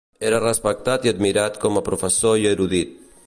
Era respectat i admirat com a professor i erudit.